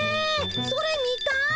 それ見たい。